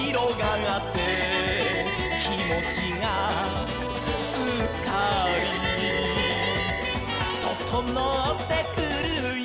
「きもちがすっかり」「ととのってくるよ」